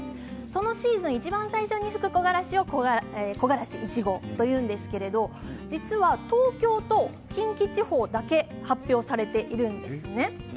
そのシーズンいちばん最初に吹く木枯らしを木枯らし１号というんですけれど実は東京と近畿地方だけ発表されているんですね。